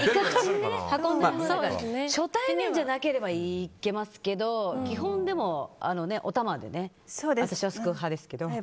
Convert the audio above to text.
初対面じゃなければいけますけど基本おたまですくう派ですけど。